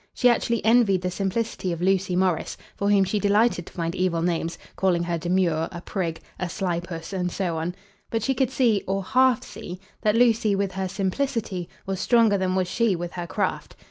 She actually envied the simplicity of Lucy Morris, for whom she delighted to find evil names, calling her demure, a prig, a sly puss, and so on. But she could see, or half see, that Lucy with her simplicity was stronger than was she with her craft.